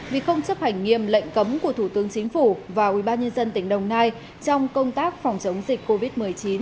vì không chấp hành nghiêm lệnh cấm của thủ tướng chính phủ và ubnd tỉnh đồng nai trong công tác phòng chống dịch covid một mươi chín